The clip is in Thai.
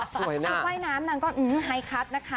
สวยหน้าก็ที่ว่ายน้ำไว้คัดนะท์นะคะ